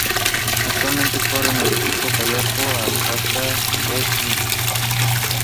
They were also thought to be dishonest persons and thus discriminated in various ways.